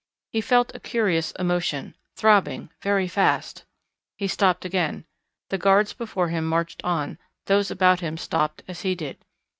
He felt a curious emotion throbbing very fast! He stopped again. The guards before him marched on; those about him stopped as he did.